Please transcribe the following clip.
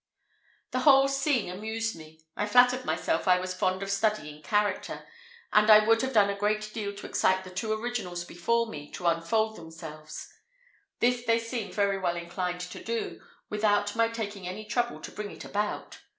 The whole scene amused me. I flattered myself I was fond of studying character, and I would have done a great deal to excite the two originals before me to unfold themselves. This they seemed very well inclined to do, without my taking any trouble to bring it about.